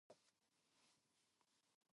こなし作業